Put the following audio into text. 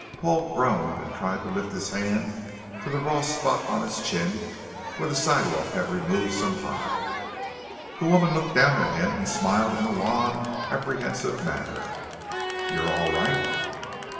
Paul groaned and tried to lift his hand to the raw spot on his chin where the sidewalk had removed some hide. The woman looked down at him and smiled in a wan, apprehensive manner. "You're all right?"